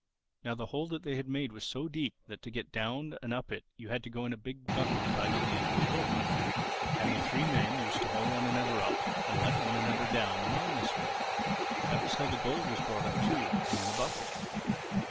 "Now the hole that they had made was so deep that to get down and up it you had to go in a big bucket tied on the end of a rope; and the three men used to haul one another up and let one another down the mine in this way. That was how the gold was brought up too—in the bucket.